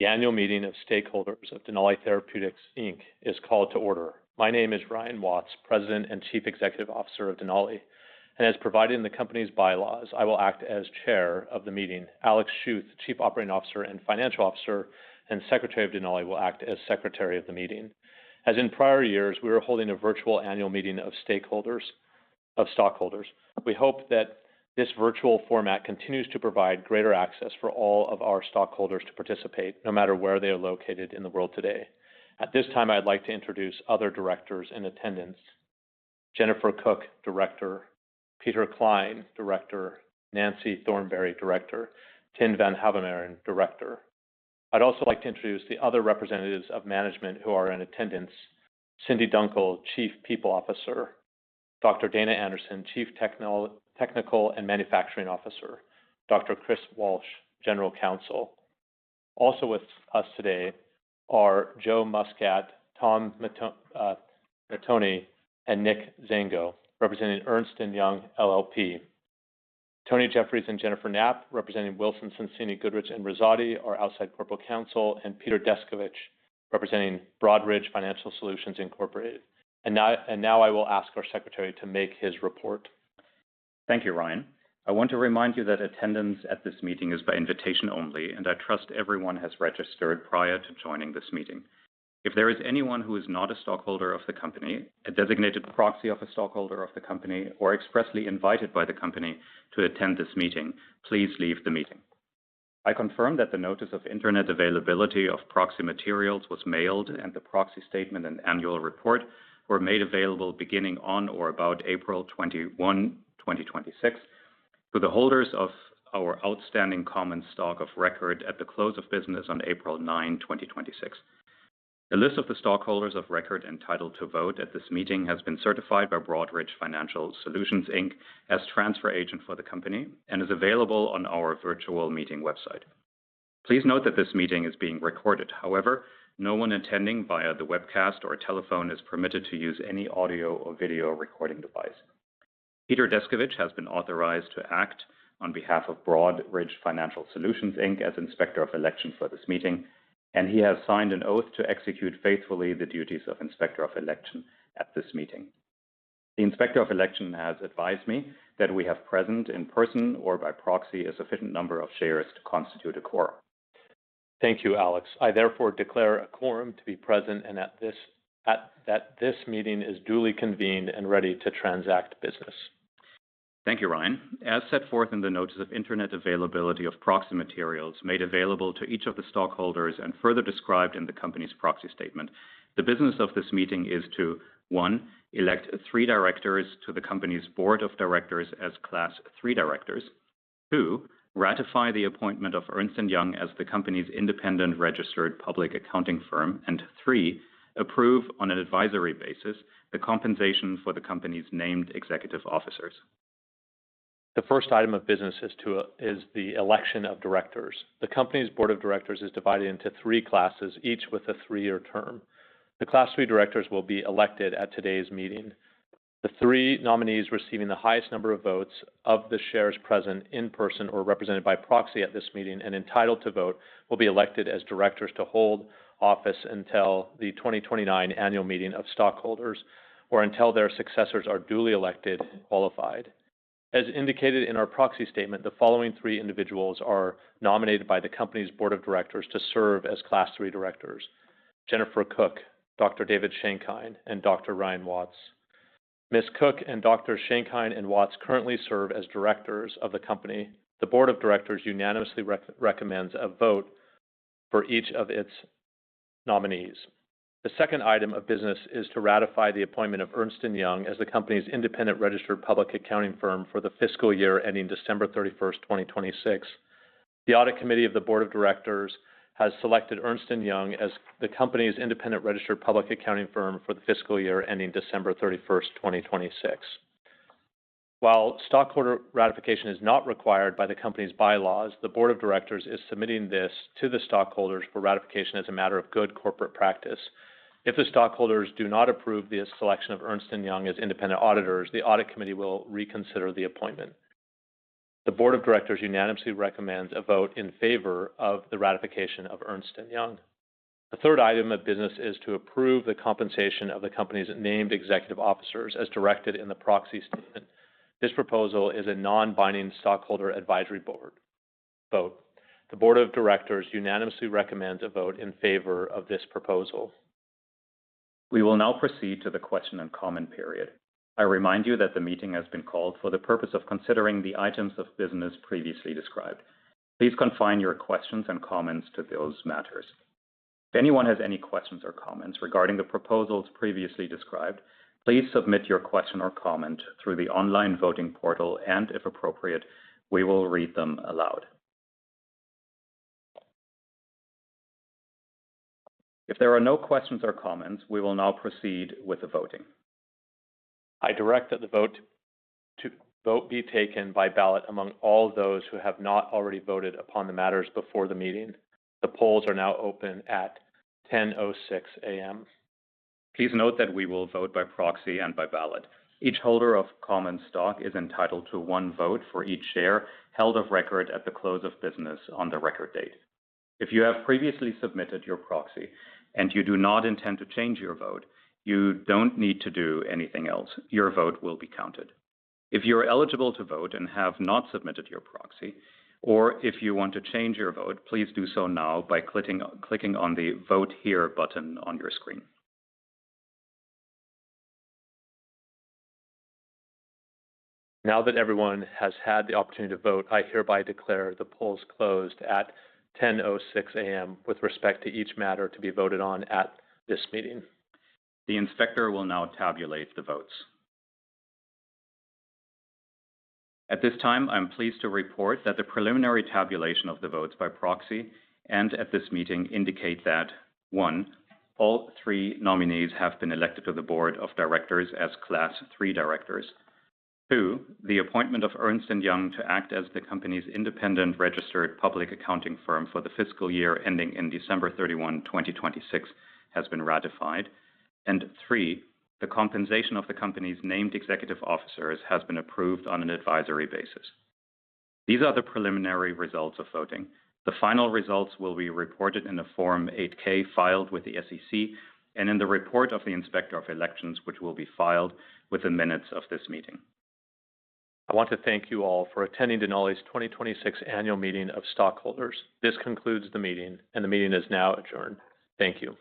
The annual meeting of stakeholders of Denali Therapeutics Inc. is called to order. My name is Ryan Watts, President and Chief Executive Officer of Denali, and as provided in the company's bylaws, I will act as Chair of the meeting. Alex Schuth, Chief Operating Officer and Financial Officer, and Secretary of Denali, will act as Secretary of the meeting. As in prior years, we are holding a virtual annual meeting of stockholders. We hope that this virtual format continues to provide greater access for all of our stockholders to participate, no matter where they are located in the world today. At this time, I'd like to introduce other directors in attendance. Jennifer Cook, director. Peter Klein, director. Nancy Thornberry, director. Tim Van Hauwermeiren, director. I'd also like to introduce the other representatives of management who are in attendance. Cindy Dunkle, Chief People Officer. Dr. Dana Andersen, Chief Technical and Manufacturing Officer. Dr. Chris Walsh, General Counsel. Also with us today are Joe Muscat, Tom Matroney, and Nick Zango, representing Ernst & Young LLP. Tony Jeffries and Jennifer Knapp, representing Wilson Sonsini Goodrich & Rosati, our outside corporate counsel, and Peter Descovich, representing Broadridge Financial Solutions, Incorporated. Now I will ask our secretary to make his report. Thank you, Ryan. I want to remind you that attendance at this meeting is by invitation only, and I trust everyone has registered prior to joining this meeting. If there is anyone who is not a stockholder of the company, a designated proxy of a stockholder of the company, or expressly invited by the company to attend this meeting, please leave the meeting. I confirm that the notice of Internet availability of proxy materials was mailed, and the proxy statement and annual report were made available beginning on or about April 21, 2026, to the holders of our outstanding common stock of record at the close of business on April 9, 2026. The list of the stockholders of record entitled to vote at this meeting has been certified by Broadridge Financial Solutions, Inc. as transfer agent for the company and is available on our virtual meeting website. Please note that this meeting is being recorded. However, no one attending via the webcast or telephone is permitted to use any audio or video recording device. Peter Descovich has been authorized to act on behalf of Broadridge Financial Solutions, Inc. as Inspector of Election for this meeting, and he has signed an oath to execute faithfully the duties of Inspector of Election at this meeting. The Inspector of Election has advised me that we have present, in person or by proxy, a sufficient number of shares to constitute a quorum. Thank you, Alex. I therefore declare a quorum to be present and that this meeting is duly convened and ready to transact business. Thank you, Ryan. As set forth in the notice of Internet availability of proxy materials made available to each of the stockholders and further described in the company's proxy statement, the business of this meeting is to, one, elect three directors to the company's Board of Directors as Class III directors. Two, ratify the appointment of Ernst & Young as the company's independent registered public accounting firm. Three, approve on an advisory basis the compensation for the company's named executive officers. The first item of business is the election of directors. The company's board of directors is divided into three classes, each with a three-year term. The Class III directors will be elected at today's meeting. The three nominees receiving the highest number of votes of the shares present in person or represented by proxy at this meeting and entitled to vote will be elected as directors to hold office until the 2029 annual meeting of stockholders or until their successors are duly elected and qualified. As indicated in our proxy statement, the following three individuals are nominated by the company's board of directors to serve as Class III directors: Jennifer Cook, Dr. David Schenkein, and Dr. Ryan Watts. Ms. Cook and Dr. Schenkein and Watts currently serve as directors of the company. The board of directors unanimously recommends a vote for each of its nominees. The second item of business is to ratify the appointment of Ernst & Young as the company's independent registered public accounting firm for the fiscal year ending December 31st, 2026. The audit committee of the board of directors has selected Ernst & Young as the company's independent registered public accounting firm for the fiscal year ending December 31st, 2026. While stockholder ratification is not required by the company's bylaws, the board of directors is submitting this to the stockholders for ratification as a matter of good corporate practice. If the stockholders do not approve the selection of Ernst & Young as independent auditors, the audit committee will reconsider the appointment. The board of directors unanimously recommends a vote in favor of the ratification of Ernst & Young. The third item of business is to approve the compensation of the company's named executive officers as directed in the proxy statement. This proposal is a non-binding stockholder advisory vote. The board of directors unanimously recommends a vote in favor of this proposal. We will now proceed to the question and comment period. I remind you that the meeting has been called for the purpose of considering the items of business previously described. Please confine your questions and comments to those matters. If anyone has any questions or comments regarding the proposals previously described, please submit your question or comment through the online voting portal, and if appropriate, we will read them aloud. If there are no questions or comments, we will now proceed with the voting. I direct that the vote be taken by ballot among all those who have not already voted upon the matters before the meeting. The polls are now open at 10:06 AM. Please note that we will vote by proxy and by ballot. Each holder of common stock is entitled to one vote for each share held of record at the close of business on the record date. If you have previously submitted your proxy and you do not intend to change your vote, you don't need to do anything else. Your vote will be counted. If you're eligible to vote and have not submitted your proxy, or if you want to change your vote, please do so now by clicking on the Vote Here button on your screen. Now that everyone has had the opportunity to vote, I hereby declare the polls closed at 10:06 AM. with respect to each matter to be voted on at this meeting. The Inspector will now tabulate the votes. At this time, I'm pleased to report that the preliminary tabulation of the votes by proxy and at this meeting indicate that, one, all three nominees have been elected to the board of directors as Class III directors. Two, the appointment of Ernst & Young to act as the company's independent registered public accounting firm for the fiscal year ending in December 31, 2026, has been ratified. Three, the compensation of the company's named executive officers has been approved on an advisory basis. These are the preliminary results of voting. The final results will be reported in a Form 8-K filed with the SEC and in the report of the Inspector of Elections, which will be filed with the minutes of this meeting. I want to thank you all for attending Denali's 2026 Annual Meeting of Stockholders. This concludes the meeting, and the meeting is now adjourned. Thank you.